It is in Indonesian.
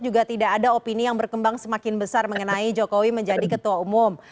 juga tidak ada opini yang berkembang semakin besar mengenai jokowi menjadi ketua umum